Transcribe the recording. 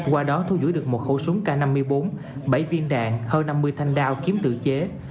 qua đó thu giữ được một khẩu súng k năm mươi bốn bảy viên đạn hơn năm mươi thanh đao kiếm tự chế